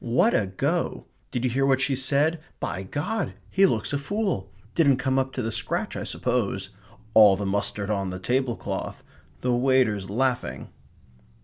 What a go! Did you hear what she said? By God, he looks a fool! Didn't come up to the scratch, I suppose. All the mustard on the tablecloth. The waiters laughing."